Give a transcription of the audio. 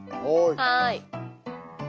はい。